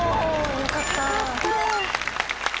よかった。